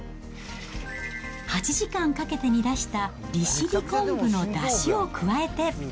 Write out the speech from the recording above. ８時間かけて煮出した利尻昆布のだしを加えて。